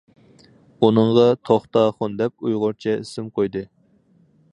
ئۇنىڭغا« توختاخۇن» دەپ ئۇيغۇرچە ئىسىم قويدى.